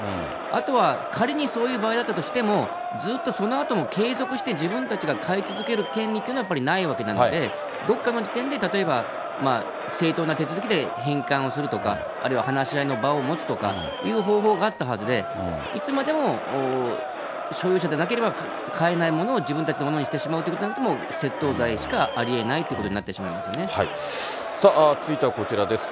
あとは仮にそういう場合だったとしても、ずっとそのあとも継続して、自分たちが飼い続ける権利っていうのは、やっぱりないわけなので、どっかの時点で、例えば正当な手続きで返還をするとか、あるいは話し合いの場を持つというような方法があったはずで、いつまでも所有者でなければ飼えないものを自分たちのものにしてしまうということになると、窃盗罪しかありえないということになさあ、続いてはこちらです。